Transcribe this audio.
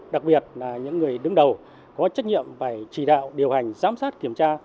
đặc biệt là những người đứng đầu có trách nhiệm phải chỉ đạo điều hành giám sát kiểm tra